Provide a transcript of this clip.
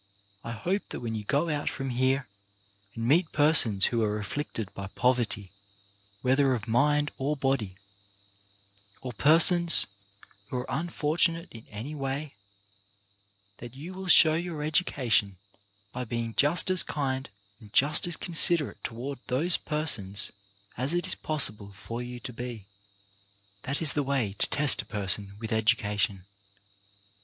I hope that when you go out from here, and meet persons who are afflicted by poverty, whether of mind or body, or persons who are unfortunate in any way, that you will show your education by being just as kind and just as considerate toward those persons as it is possible for you to be. That is the way to test THE HIGHEST EDUCATION 115 a person with education.